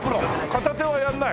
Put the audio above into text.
片手はやらない？